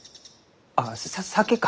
あさ酒か。